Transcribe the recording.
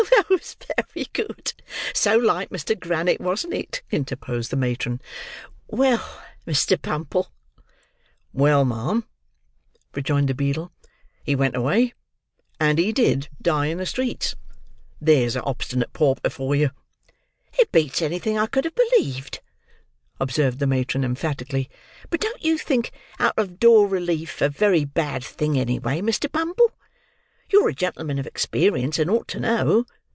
"Ha! ha! That was very good! So like Mr. Grannett, wasn't it?" interposed the matron. "Well, Mr. Bumble?" "Well, ma'am," rejoined the beadle, "he went away; and he did die in the streets. There's a obstinate pauper for you!" "It beats anything I could have believed," observed the matron emphatically. "But don't you think out of door relief a very bad thing, any way, Mr. Bumble? You're a gentleman of experience, and ought to know.